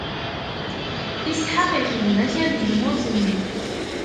Isḥaq ixdem akal di tmurt-nni.